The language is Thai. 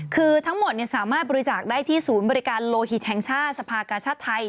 คือทั้งหมดสามารถบริจาคได้ที่ศูนย์บริการโลหิตแห่งชาติสภากาชาติไทย